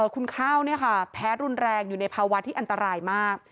คุณข้าวแพ้รุนแรงอยู่ในภาวะที่อันตรายมาก